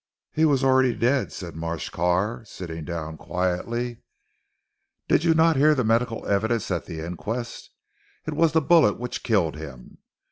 "He was already dead," said Marsh Carr sitting down quietly, "did you not hear the medical evidence at the inquest? It was the bullet which killed him.